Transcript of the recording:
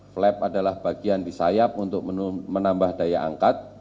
flap adalah bagian di sayap untuk menambah daya angkat